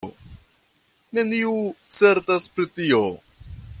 Neniu certas pri tio.